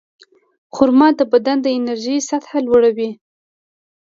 خرما د بدن د انرژۍ سطحه لوړوي.